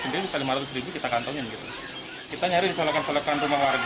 sendiri selimut ribu kita kantongnya gitu kita nyari selokan selokan rumah warga